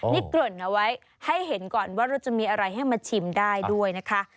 นี่เกริ่นเอาไว้ให้เห็นก่อนว่าเราจะมีอะไรให้มาชิมได้ด้วยนะคะ